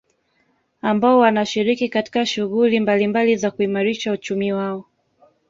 Ambao wanashiriki katika shuhguli mbalimbali za kuimarisha uchumi wao